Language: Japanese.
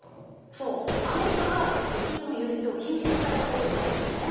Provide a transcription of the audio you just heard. そうアメリカが石油の輸出を禁止しちゃったこともあるからね。